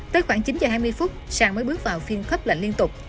tới khoảng chín h hai mươi phút sàn mới bước vào phiên khớp lệnh liên tục